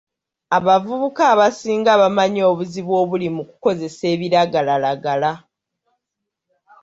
Abavubuka abasinga bamanyi obuzibu obuli mu kukozesa ebiragalalagala.